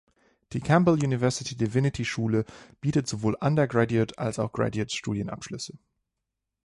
Die Campbell University Divinity-Schule bietet sowohl Undergraduate- als auch Graduate-Studienabschlüsse.